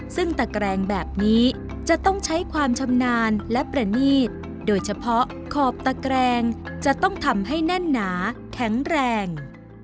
ซึ่งตะแกรงแบบนี้จะต้องใช้ความชำนาญและประนีตโดยเฉพาะขอบตะแกรงจะต้องทำให้แน่นหนาแข็งแรง